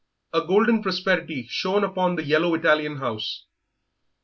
A golden prosperity shone upon the yellow Italian house.